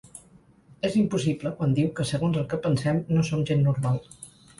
És impossible quan diu que segons el que pensem no som gent normal.